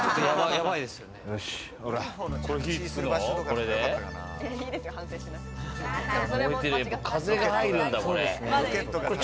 やっぱり風が入るんだこれ。